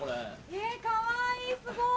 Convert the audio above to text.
えっかわいいすごい！